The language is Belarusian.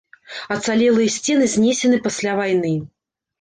Ацалелыя сцены знесены пасля вайны.